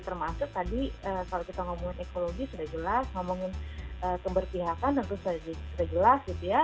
termasuk tadi kalau kita ngomongin ekologi sudah jelas ngomongin keberpihakan tentu saja sudah jelas gitu ya